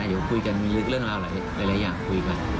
เดี๋ยวคุยกันมีเรื่องราวหลายอย่างคุยกัน